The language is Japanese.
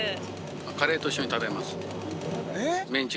カレーと一緒に食べます。